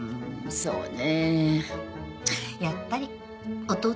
そうね。